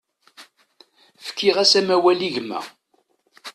Fkiɣ-as amawal i gma.